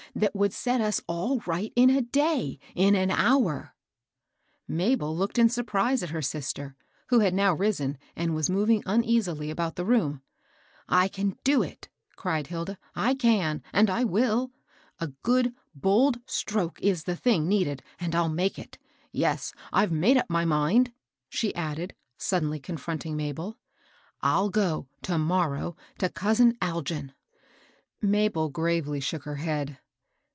that would set us all right in a day, — in aa hour I" Mabel looked in surprise at her sister, who had now risen, and was moving uneasily about the room. " I can do it I " cried Hilda. " I can^ and I will. A good, bold stroke is the thing needed, and I'll make it. Yes I I've made up my mind," she added, suddenly confronting Mabel. '* I'll go, to morrow, to cousin Algin." Mabel gravely shook hdr head.